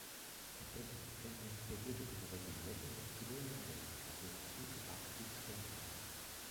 È presente nel periodo primaverile un'orchidea endemica, la "Epipactis flaminia".